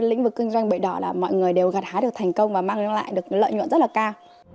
trong cái lĩnh vực kinh doanh bưởi đỏ là mọi người đều gạt há được thành công và mang lại được lợi nhuận rất là cao